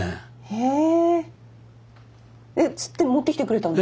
へえ。